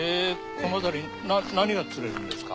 この辺り何が釣れるんですか？